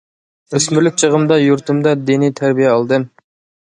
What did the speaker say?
ئۆسمۈرلۈك چېغىمدا يۇرتۇمدا دىنىي تەربىيە ئالدىم.